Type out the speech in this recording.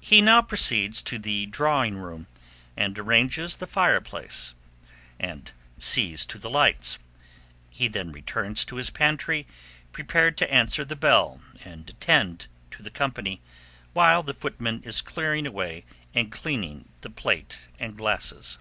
He now proceeds to the drawing room, arranges the fireplace, and sees to the lights; he then returns to his pantry, prepared to answer the bell, and attend to the company, while the footman is clearing away and cleaning the plate and glasses.